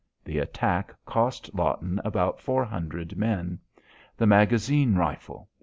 The attack cost Lawton about 400 men. The magazine rifle!